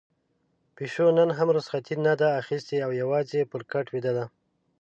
پيشو نن هم رخصتي نه ده اخیستې او يوازې پر کټ ويده ده.